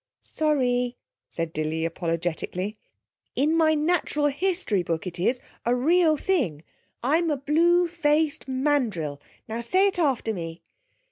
'Sorry,' said Dilly apologetically. 'In my natural history book it is, a real thing. I'm a blue faced mandrill.... Now say it after me.'